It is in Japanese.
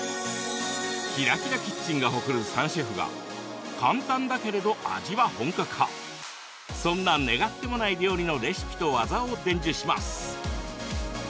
「ＫｉｒａＫｉｒａキッチン」が誇る３シェフが簡単だけれど味は本格派そんな願ってもない料理のレシピと技を伝授します。